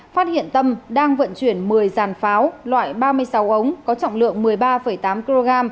phát hiện tâm đang vận chuyển một mươi dàn pháo loại ba mươi sáu ống có trọng lượng một mươi ba tám kg